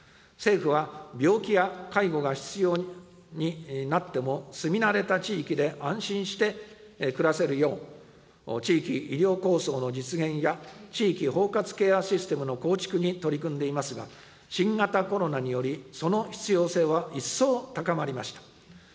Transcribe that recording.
政府は、病気や介護が必要になっても、住み慣れた地域で安心して暮らせるよう、地域医療構想の実現や、地域包括ケアシステムの構築に取り組んでいますが、新型コロナにより、その必要性は一層高まりました。